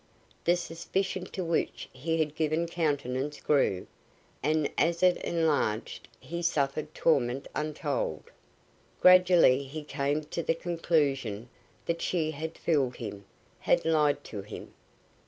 The suspicion to which he had given countenance grew, and as it enlarged he suffered torment untold. Gradually he came to the conclusion that she had fooled him, had lied to him.